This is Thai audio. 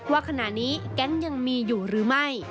ว่าขณะนี้แก๊งยังมีอยู่หรือไม่